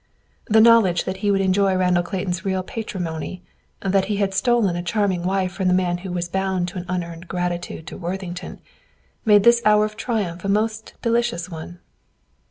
The knowledge that he would enjoy Randall Clayton's real patrimony; that he had stolen a charming wife from the man who was bound by an unearned gratitude to Worthington, made this hour of triumph a most delicious one.